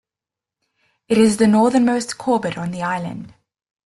It is the northernmost Corbett on the island.